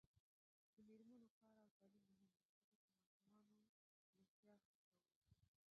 د میرمنو کار او تعلیم مهم دی ځکه چې ماشومانو روغتیا ښه کو.